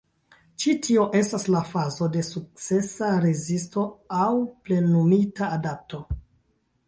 Ĉi tio estas la fazo de sukcesa rezisto aŭ „plenumita adapto.